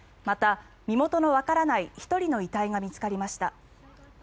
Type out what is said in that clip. また、身元のわからない１人の遺体が見つかりました。